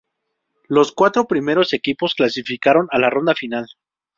Los cuatro primeros equipos clasificaron a la ronda final.